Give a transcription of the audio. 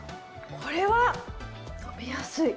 これは飲みやすい！